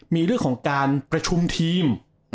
มีเรื่องของการประชุมทีม